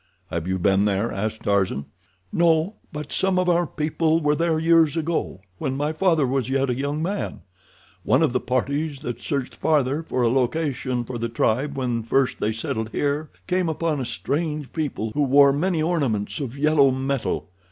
"Have you been there?" asked Tarzan. "No, but some of our people were there years ago, when my father was yet a young man. One of the parties that searched farther for a location for the tribe when first they settled here came upon a strange people who wore many ornaments of yellow metal.